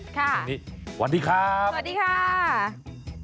ค่ะสัปดาห์นี้สวัสดีครับสวัสดีค่ะสวัสดีค่ะ